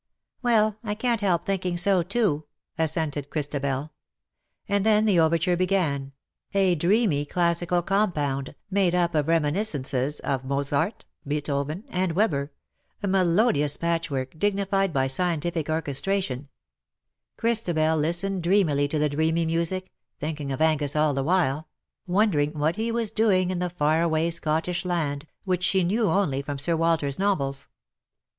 " Well, I canH help thinking so too," assented Christabel. And then the overture began — a dreamy, classical compound, made up of reminiscences of Mozart, Beethoven, and Weber — a melodious patchwork, dignified by scientific orchestration. CUPID AND PSYCHE. 217 CLristabel listened dreamily to tlie dreamy music, thinking of Angus all the while — wondering what he was doing in the far away Scottish land, which she knew only from Sir Walter^s novels.